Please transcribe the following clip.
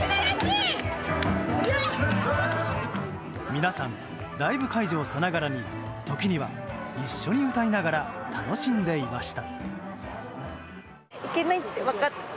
皆さん、ライブ会場さながらに時には一緒に歌いながら楽しんでいました。